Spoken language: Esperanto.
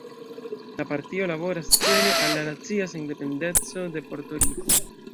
La partio laboras cele al la nacia sendependeco de Porto-Riko.